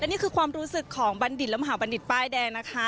นี่คือความรู้สึกของบัณฑิตและมหาบัณฑิตป้ายแดงนะคะ